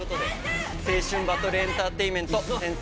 青春バトルエンターテインメント、「先生！